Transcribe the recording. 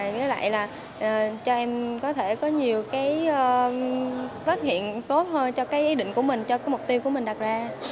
với lại là cho em có thể có nhiều phát hiện tốt hơn cho ý định của mình cho mục tiêu của mình đặt ra